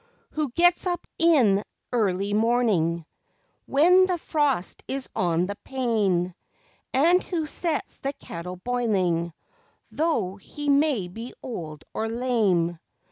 Who gets up in early morning, When the frost is on the pane, And who sets the kettle boiling, Though he may be old, or lame